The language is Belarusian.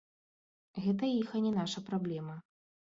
Гэта іх, а не наша праблема.